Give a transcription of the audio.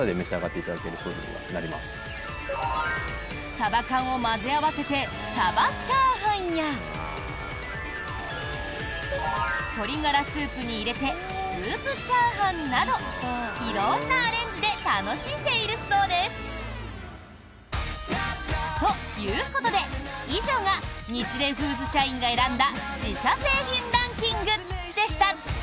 サバ缶を混ぜ合わせてサバチャーハンや鶏ガラスープに入れてスープチャーハンなど色んなアレンジで楽しんでいるそうです！ということで、以上がニチレイフーズ社員が選んだ自社製品ランキングでした！